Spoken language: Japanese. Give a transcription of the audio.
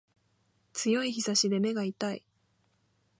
強い日差しで目が痛い